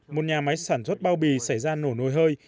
một nhà máy sản xuất bao bì xảy ra nổ nồi hơi